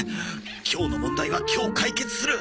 今日の問題は今日解決する！